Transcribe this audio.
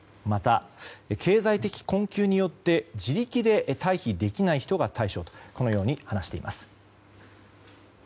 また、経済的困窮によって自力で退避できない人が対象と話しています。